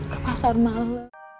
ke pasar malam